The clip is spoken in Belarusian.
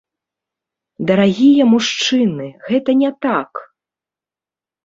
Дарагія мужчыны, гэта не так!